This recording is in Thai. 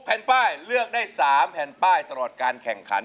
แผ่นป้ายเลือกได้๓แผ่นป้ายตลอดการแข่งขัน